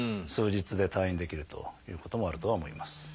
数日で退院できるということもあるとは思います。